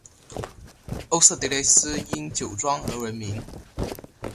欧塞迪雷斯因酒庄而闻名。